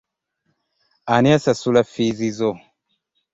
Ani asasula ffiizi zo?